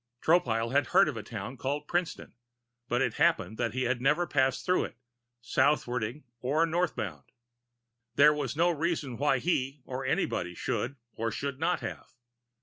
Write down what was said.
Tropile had heard of a town called Princeton, but it happened that he had never passed through it southwarding or northbound. There was no reason why he or anybody should or should not have.